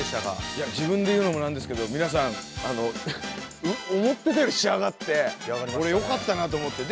いや自分で言うのもなんですけどみなさん思ってたよりしあがってオレよかったなと思って。